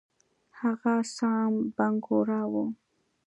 هغه سام بنګورا وو.